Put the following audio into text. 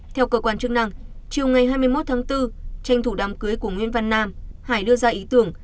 theo cơ quan chức năng chiều ngày hai mươi một tháng bốn tranh thủ đám cưới của nguyễn văn nam hải đưa ra ý tưởng